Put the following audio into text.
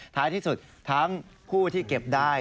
ท้ายที่สุดทั้งคู่ที่เก็บได้